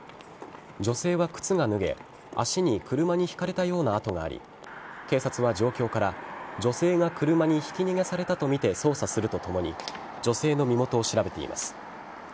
女性は靴が脱げ足に車にひかれたような痕があり警察は状況から女性が車にひき逃げされたとみて捜査するとともに女性の身元を調べています。